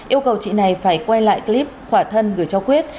yêu cầu chị này phải quay lại clip khỏa thân gửi cho quyết